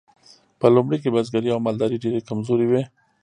په لومړیو کې بزګري او مالداري ډیرې کمزورې وې.